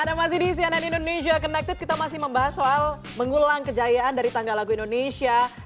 anda masih di cnn indonesia connected kita masih membahas soal mengulang kejayaan dari tanggal lagu indonesia di tahun ini yang dibuat oleh bnp